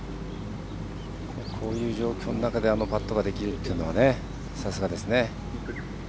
こういう状況の中であのパットができるというのはさすがですね。